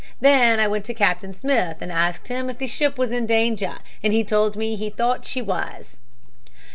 Then I went to Captain Smith and asked him if the ship was in danger and he told me he thought she was."